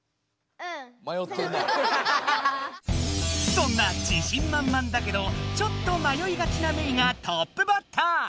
そんな自信満々だけどちょっと迷いがちなメイがトップバッター！